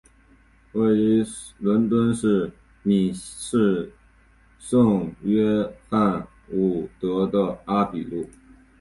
位于伦敦西敏市圣约翰伍德的阿比路。